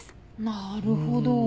なるほど。